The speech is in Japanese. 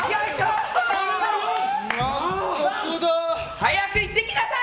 早く行ってきなさい！